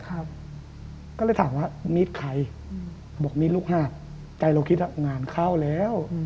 ก็เลยถามว่ามีดใครบอกมีดลูกห้าใจเราคิดอ่ะงานเข้าแล้ว